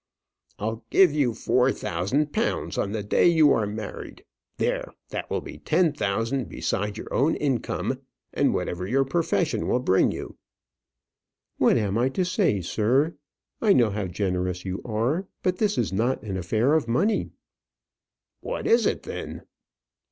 "I'll give you four thousand pounds on the day you are married. There, that will be ten thousand beside your own income, and whatever your profession will bring you." "What am I to say, sir? I know how generous you are; but this is not an affair of money." "What is it then?"